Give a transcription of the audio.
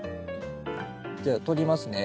じゃあ取りますね。